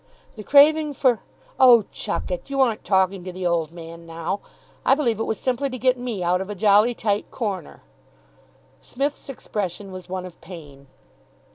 "The craving for " "Oh, chuck it. You aren't talking to the Old Man now. I believe it was simply to get me out of a jolly tight corner." Psmith's expression was one of pain.